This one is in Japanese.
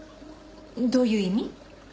どういう意味？